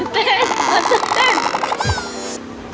เต้นเต้น